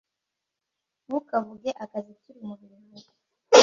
Ntukavuge akazi Turi mu biruhuko